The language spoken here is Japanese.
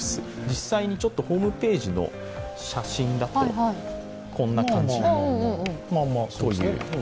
実際にホームページの写真だと、こんな感じです。